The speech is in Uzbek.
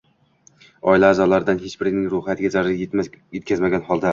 oila aʼzolaridan hech birining ruhiyatiga zarar yetkazmagan holda